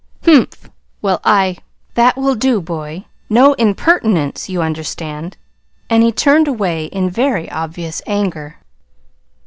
"Humph! Well, I That will do, boy. No impertinence, you understand!" And he had turned away in very obvious anger.